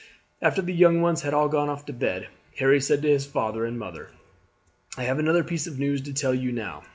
After the young ones had all gone off to bed, Harry said to his father and mother: "I have another piece of news to tell you now.